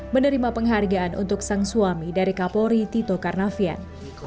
menerima penghargaan untuk sang suami dari kapolri tito karnavian